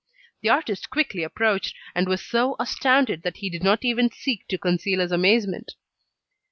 The artist quickly approached, and was so astounded that he did not even seek to conceal his amazement.